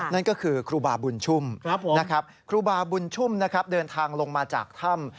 นั่นก็คือครูบาบุญชุ่มนะครับครูบาบุญชุ่มนะครับเดินทางลงมาจากถ้ำ